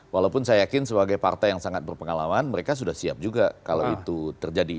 walaupun saya yakin sebagai partai yang sangat berpengalaman mereka sudah siap juga kalau itu terjadi